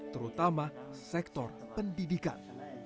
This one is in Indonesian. terutama sektor pendidikan